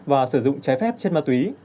và sử dụng trái phép chất ma tuế